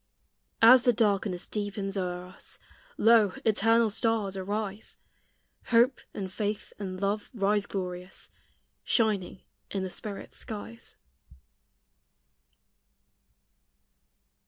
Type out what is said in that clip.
As the darkness deepens o'er us, Lo! eternal stars arise; Hope and Faith and Love rise glorious, Shining in the Spirit's skies.